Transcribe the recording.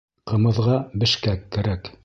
Ҡымыҙға бешкәк кәрәк